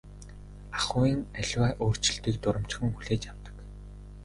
Ахуйн аливаа өөрчлөлтийг дурамжхан хүлээж авдаг.